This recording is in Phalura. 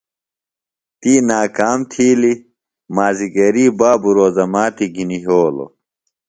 تی ناکام تِھیلیۡ۔ مازِگری بابوۡ روزہ ماتی گِھنیۡ یھولوۡ۔